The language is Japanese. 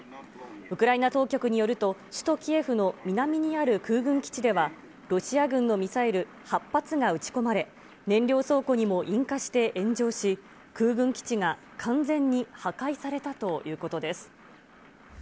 ウクライナ当局によると、首都キエフの南にある空軍基地では、ロシア軍のミサイル８発が撃ち込まれ、燃料倉庫にも引火して炎上し、空軍基地が完全に破壊されたということです。